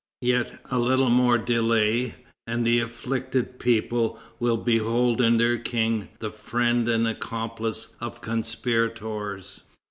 Yet a little more delay, and the afflicted people will behold in their King the friend and accomplice of conspirators.